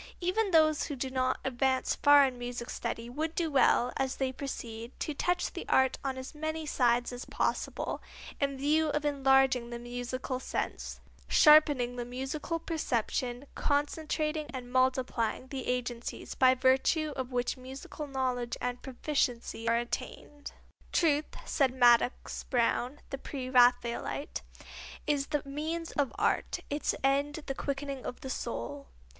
Even those who do not advance far in music study would do well, as they proceed, to touch the art on as many sides as possible, in view of enlarging the musical sense, sharpening the musical perception, concentrating and multiplying the agencies by virtue of which musical knowledge and proficiency are attained. "Truth," said Madox Brown, the Pre Raphaelite, "is the means of art, its end the quickening of the soul."